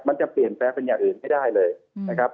มันจะเปลี่ยนแปลงเป็นอย่างอื่นไม่ได้เลยนะครับ